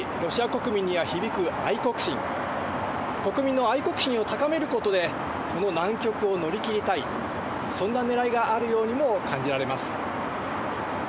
国民の愛国心を高めることで、この難局を乗り切りたい、そんなねらいがあるようにも感じられます。